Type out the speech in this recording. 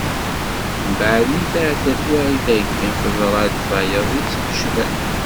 Mbeɛd mi teɛedda twaɣit-agi, teḍra-d tayeḍ i tt-yecban.